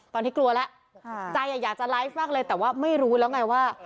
ตอนนี้กลัวแล้วใจอยากจะไลฟ์มากเลยแต่ว่าไม่รู้แล้วไงว่า